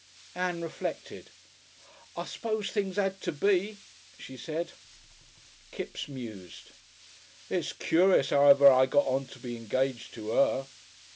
Ann reflected. "I s'pose things 'ad to be," she said. Kipps mused. "It's curious 'ow ever I got on to be engaged to 'er."